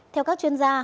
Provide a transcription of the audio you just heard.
theo các chuyên gia